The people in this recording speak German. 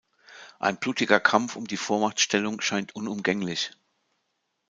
Ein blutiger Kampf um die Vormachtstellung scheint unumgänglich.